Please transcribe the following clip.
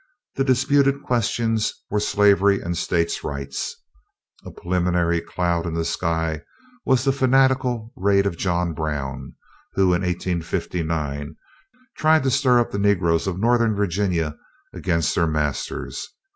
The disputed questions were slavery and States' Rights. A preliminary cloud in the sky was the fanatical raid of John Brown, who, in 1859, tried to stir up the negroes of northern Virginia against their masters.